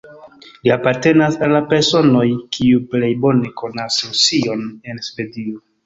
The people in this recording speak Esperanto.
Li apartenas al la personoj, kiuj plej bone konas Rusion en Svedio.